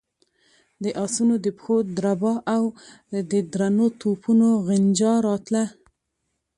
د آسونو د پښو دربا او د درنو توپونو غنجا راتله.